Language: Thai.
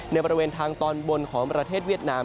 บริเวณทางตอนบนของประเทศเวียดนาม